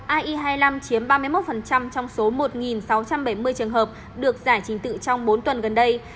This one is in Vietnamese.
ai hai mươi năm chiếm ba mươi một trong số một sáu trăm bảy mươi trường hợp được giải trình tự trong bốn tuần gần đây